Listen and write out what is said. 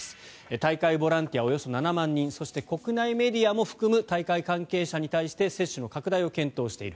大会ボランティアおよそ７万人そして、国内メディアも含む大会関係者に対して接種の拡大を検討している。